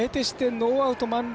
ノーアウト満塁。